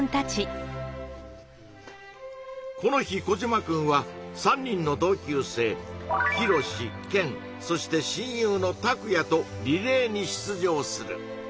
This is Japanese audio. この日コジマくんは３人の同級生ヒロシケンそして親友のタクヤとリレーに出場する。